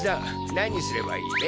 何すればいいべ？